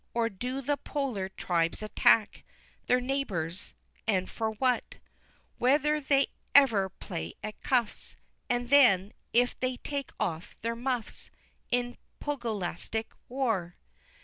Or do the Polar tribes attack Their neighbors and what for? Whether they ever play at cuffs, And then, if they take off their muffs In pugilistic war?